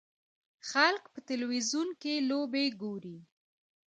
خلک په تلویزیون کې لوبې ګوري.